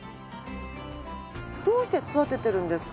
どうして育てているんですか？